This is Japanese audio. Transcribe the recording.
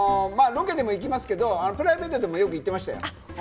ロケでも行きますけどプライベートでもよく行ってましたよ。